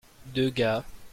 deux gars.